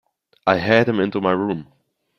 I had him into my room.